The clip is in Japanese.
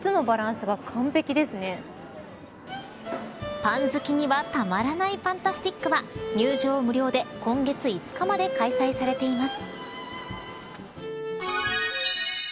パン好きには、たまらないパンタスティックは入場無料で今月５日まで開催されています。